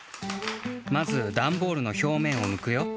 まずダンボールのひょうめんをむくよ。